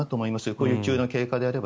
こういう急な経過であれば。